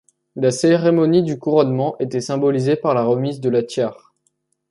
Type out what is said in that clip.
La cérémonie du couronnement était symbolisée par la remise de la tiare.